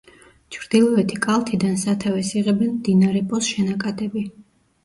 ჩრდილოეთი კალთიდან სათავეს იღებენ მდინარე პოს შენაკადები.